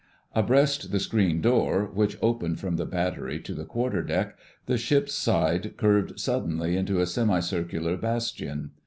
Abreast the screen door, which opened from the battery to the quarter deck, the ship's side curved suddenly into a semicircular bastion.